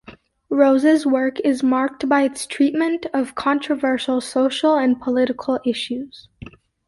Rose's work is marked by its treatment of controversial social and political issues.